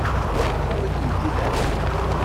Neẓra anwa ay kent-ilan.